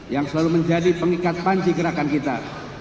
yang selalu menjadi pengikat panci gerakan kita